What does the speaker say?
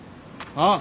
ああ。